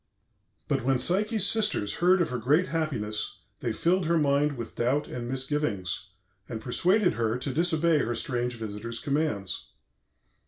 "But when Psyche's sisters heard of her great happiness they filled her mind with doubt and misgivings, and persuaded her to disobey her strange visitor's commands.